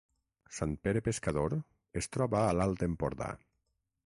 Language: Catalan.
Sant Pere Pescador es troba a l’Alt Empordà